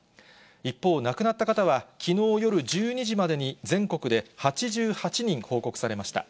一方、亡くなった方は、きのう夜１２時までに全国で８８人報告されました。